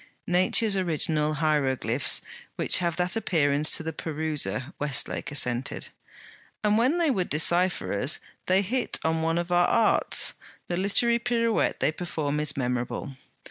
'Nature's original hieroglyphs which have that appearance to the peruser,' Westlake assented. 'And when they would decipher us, and they hit on one of our "arts," the literary pirouette they perform is memorable.'